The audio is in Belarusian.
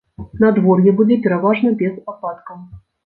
Надвор'е будзе пераважна без ападкаў.